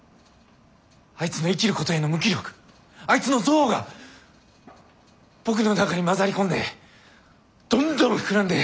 あいつの生きることへの無気力あいつの憎悪が僕の中に混ざり込んでどんどん膨らんで。